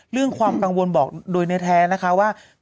เรื่องความกังวลบอกโดยแท้นะคะว่า